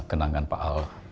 kenangan pak al